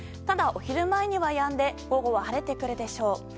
ただ、お昼前にはやんで午後は晴れてくるでしょう。